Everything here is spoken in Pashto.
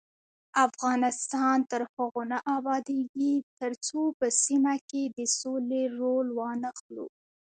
افغانستان تر هغو نه ابادیږي، ترڅو په سیمه کې د سولې رول وانخلو.